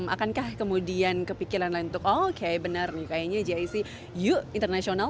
akankah kemudian kepikiran lain untuk oke bener nih kayaknya gac yuk internasional